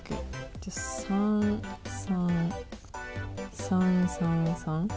じゃあ３３３３３。